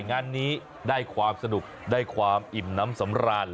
งานนี้ได้ความสนุกได้ความอิ่มน้ำสำราญ